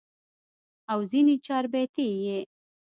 او ځني چاربيتې ئې